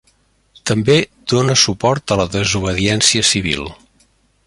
També dóna suport a la desobediència civil.